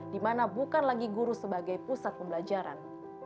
di mana bukan lagi guru sebagai pusat pembelajaran